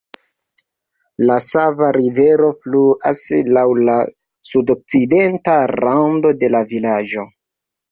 La Sava Rivero fluas laŭ la sudokcidenta rando de la vilaĝo.